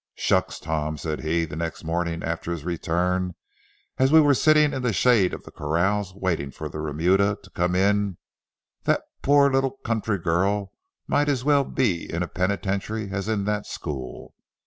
"Shucks, Tom," said he, the next morning after his return, as we were sitting in the shade of the corrals waiting for the remuda to come in, "that poor little country girl might as well be in a penitentiary as in that school.